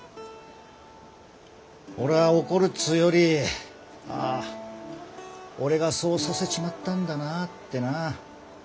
俺は怒るっつうよりああ俺がそうさせちまったんだなってな。